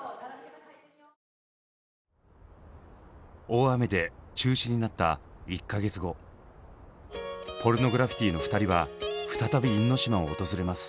大雨で中止になった一か月後ポルノグラフィティの２人は再び因島を訪れます。